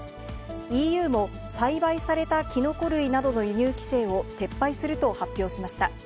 ＥＵも、栽培されたきのこ類などの輸入規制を撤廃すると発表しました。